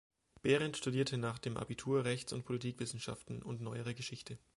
Behrendt studierte nach dem Abitur Rechts- und Politikwissenschaften und Neuere Geschichte.